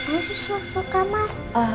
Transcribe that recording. ayuh sis masuk kamar